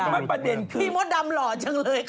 เมื่อไหนเราจะมีเก่านี้